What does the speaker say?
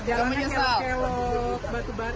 jalanan berkelok batu batu